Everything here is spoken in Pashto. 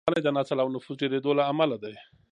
د سرطان زیاتوالی د نسل او نفوس ډېرېدو له امله دی.